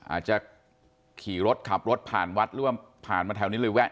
อาจจะขี่รถขับรถผ่านวัดหรือว่าผ่านมาแถวนี้เลยแวะ